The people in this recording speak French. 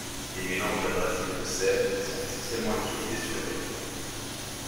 Les mélanges d’abrasifs et de sels sont essentiellement utilisés sur les trottoirs.